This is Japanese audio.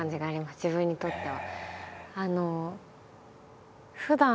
自分にとっては。